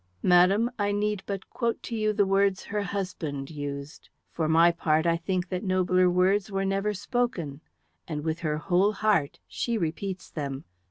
"Madam, I need but quote to you the words her husband used. For my part, I think that nobler words were never spoken, and with her whole heart she repeats them.